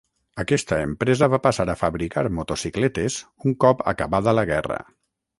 Aquesta empresa va passar a fabricar motocicletes un cop acabada la guerra.